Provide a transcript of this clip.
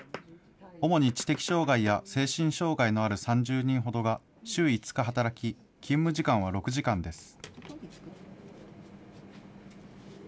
主に知的障害や精神障害のある３０人ほどが週５日働き、勤務時間は６時間です。